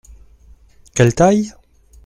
Quelle taille ?